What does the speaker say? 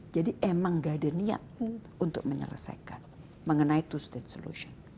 jadi emang gak ada niat untuk menyelesaikan mengenai two state solution